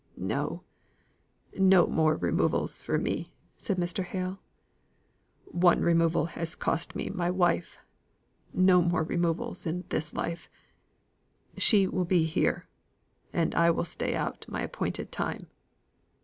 "No no more removals for me," said Mr. Hale. "One has cost me my wife. No more removals in this life. She will be here; and here will I stay out my appointed time."